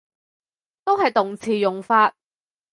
都係動詞用法